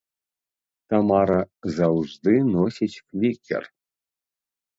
Тамара заўжды носіць флікер.